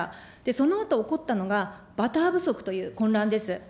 そのあと起こったのが、バター不足という混乱です。